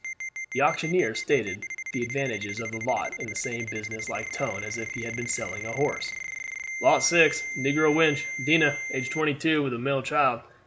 The auctioneer stated the advantages of the lot in the same business like tone as if he had been selling a horse: "Lot 6. Negro wench, Dinah; age twenty two; with male child.